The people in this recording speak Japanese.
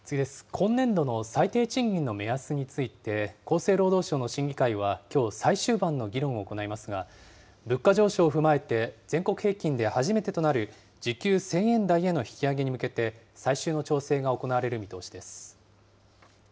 今年度の最低賃金の目安について、厚生労働省の審議会はきょう、最終盤の議論を行いますが、物価上昇を踏まえて、全国平均で初めてとなる時給１０００円台への引き上げに向けて最終の調整が行われる見通しです。